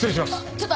ちょっと！